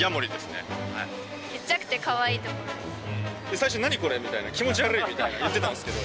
最初「何？これ」みたいな「気持ち悪い」みたいな言ってたんですけど。